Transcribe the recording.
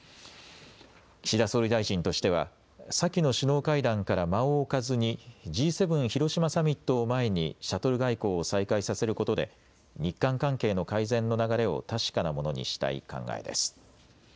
岸田総理大臣としては先の首脳会談から間を置かずにＧ７広島サミットを前にシャトル外交を再開させることで日韓関係の改善の流れを確かなものにしたい考えです。